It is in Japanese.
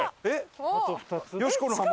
えっ！